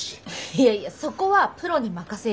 いやいやそこはプロに任せようよ。